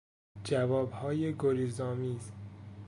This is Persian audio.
جوابهای گریز آمیز